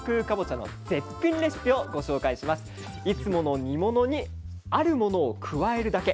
いつもの煮物にあるものを加えるだけ。